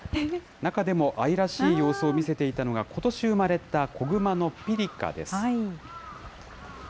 中でも愛らしい様子を見せていたのが、ことし生まれた子グマのピリカです。